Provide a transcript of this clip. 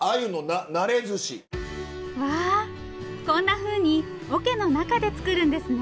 こんなふうにおけの中で作るんですね。